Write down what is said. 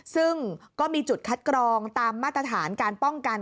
ซึ่งก็มีจุดคัดกรองตามมาตรฐานการป้องกัน